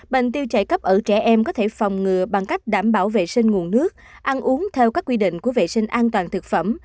bệnh tiêu chảy cấp ở trẻ em có thể phòng ngừa bằng cách đảm bảo vệ sinh nguồn nước ăn uống theo các quy định của vệ sinh an toàn thực phẩm